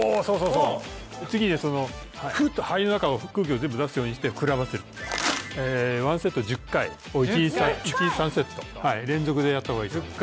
そう次にそのフーッと肺の中の空気を全部出すようにして膨らませる１セット１０回を１日３セット連続でやった方がいいと思います